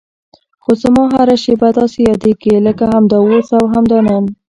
خو زما هره شېبه داسې یادېږي لکه همدا اوس او همدا نن.